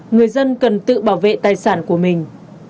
người dân cần tự bảo vệ tài sản của mình